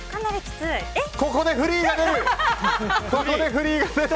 ここでフリーが出た！